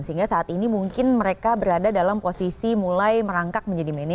sehingga saat ini mungkin mereka berada dalam posisi mulai merangkak menjadi mini